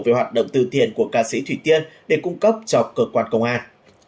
về hoạt động tư thiền của ca sĩ thủy tiên để cung cấp cho cơ quan công an